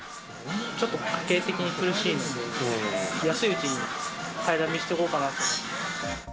ちょっと家計的に苦しいので、安いうちに買いだめしておこうかなと思って。